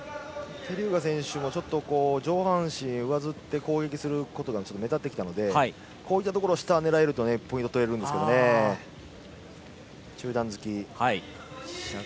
テリューガ選手も、ちょっと上半身が上ずって攻撃することが目立ってきたのでこういったところで下を狙えるとポイントが取れるんですが。